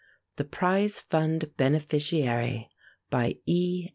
The Prize Fund Beneficiary BY E.